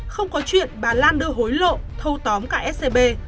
không có chuyện bà lan đưa hối lộ thâu tóm cả scb